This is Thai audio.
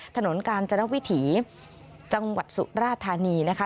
ถนนกาญจนวิถีจังหวัดสุราธานีนะคะ